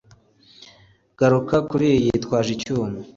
garuka kuri iyi yitwaje icyuma